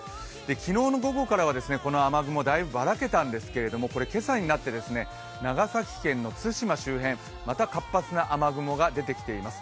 昨日の午後からはこの雨雲、だいぶばらけたんですけれども今朝になって長崎県の対馬周辺、また活発な雨雲が出てきています。